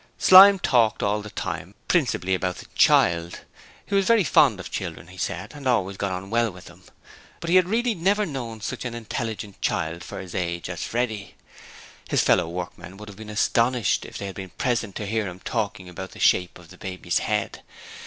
Slyme talked all the time, principally about the child. He was very fond of children, he said, and always got on well with them, but he had really never known such an intelligent child for his age as Freddie. His fellow workmen would have been astonished had they been present to hear him talking about the shape of the baby's head.